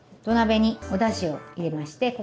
土鍋におだしを入れまして